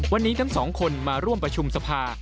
วันนี้ทั้งสองคนมาร่วมประชุมสภา